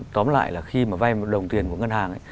tóm lại là khi mà vay một đồng tiền của ngân hàng ấy